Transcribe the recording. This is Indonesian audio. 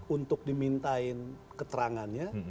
untuk dimintain keterangannya